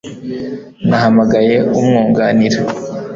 Nahamagaye umwunganira